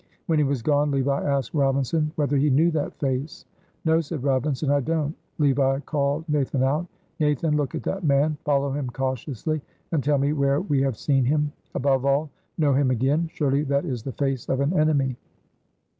When he was gone, Levi asked Robinson whether he knew that face. "No," said Robinson, "I don't." Levi called Nathan out. "Nathan, look at that man, follow him cautiously, and tell me where we have seen him; above all, know him again. Surely that is the face of an enemy."